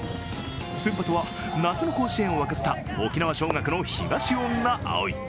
先発は夏の甲子園を沸かせた沖縄尚学の東恩納蒼。